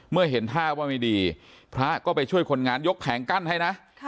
เมื่อเห็นท่าว่าไม่ดีพระก็ไปช่วยคนงานยกแผงกั้นให้นะ